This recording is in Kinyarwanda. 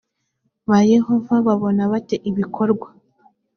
ba yehova babona bate ibikorwa